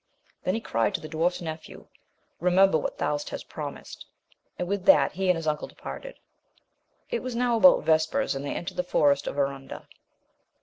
Then he cried to the dwarf's nephew, remember what thou hast promised ; and with that he and his uncle departed. It was now about vespers, and they entered the forest of Arunda.